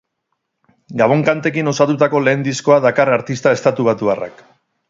Gabon-kantekin osatutako lehen diskoa dakar artista estatubatuarrak.